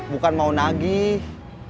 bukan mau nagih